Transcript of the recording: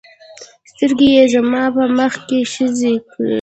سترګې یې زما په مخ کې ښخې کړې.